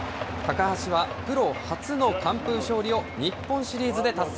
高橋はプロ初の完封勝利を日本シリーズで達成。